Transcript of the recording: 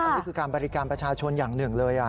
อันนี้คือการบริการประชาชนอย่างหนึ่งเลย